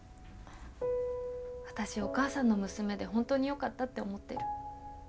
私お母さんの娘で本当によかったって思ってる。